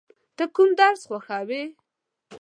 ته کوم درس خوښوې؟